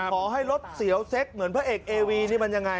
ขอให้รถเสียวเซ็กเหมือนพระเอกเอวีนี่มันยังไง